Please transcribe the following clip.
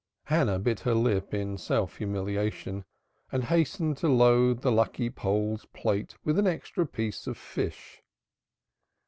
Hannah bit her lip in self humiliation and hastened to load the lucky Pole's plate with an extra piece of fish.